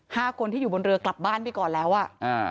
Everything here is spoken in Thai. ห้าคนที่อยู่บนเรือกลับบ้านไปก่อนแล้วอ่ะอ่า